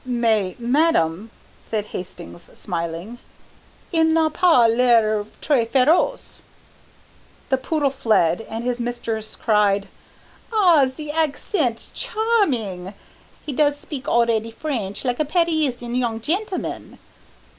"Mais, madame," said Hastings, smiling, "il n'a pas l'air très féroce." The poodle fled, and his mistress cried, "Ah, ze accent charming! He does spik already Frainch like a Parisien young gentleman!"